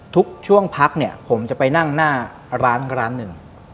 ทุกช่วงพักเนี่ยผมจะไปนั่งหน้าร้านร้านหนึ่ง